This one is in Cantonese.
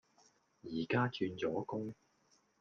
而家轉咗工